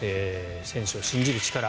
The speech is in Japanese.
選手を信じる力。